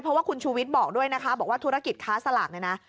เพราะว่าคุณชูวิทย์บอกด้วยนะคะบอกว่าธุรกิจค้าสลากเนี่ยนะ